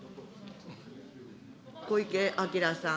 小池晃さん。